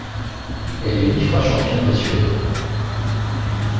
Elle est huit fois championne de Suède.